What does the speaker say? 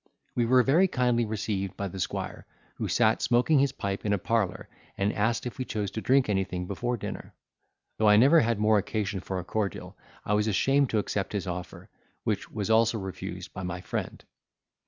We were very kindly received by the squire, who sat smoking his pipe in a parlour, and asked if we chose to drink any thing before dinner: though I never had more occasion for a cordial, I was ashamed to accept his offer, which was also refused, by my friend.